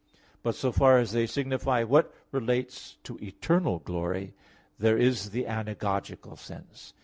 But so far as they signify what relates to eternal glory, there is the anagogical sense.